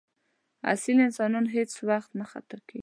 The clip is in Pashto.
اصیل انسان هېڅ وخت نه خطا کېږي.